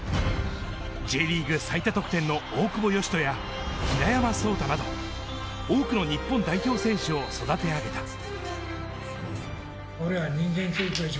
Ｊリーグ最多得点の大久保嘉人や、平山相太など多くの日本代表選手を育て上げた。